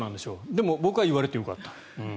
でも僕は言われてよかった。